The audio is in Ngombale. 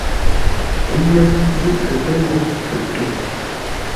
Ə́ nyáŋ nzʉ́ʼtə pə ngó pə tó.